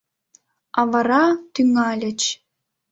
А вара тӱҥальыч...